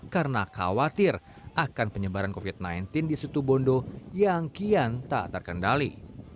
karena khawatir akan penyebaran covid sembilan belas di situbondo yang kian tak terkendali